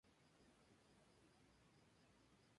Químicamente es un yoduro simple de mercurio, anhidro.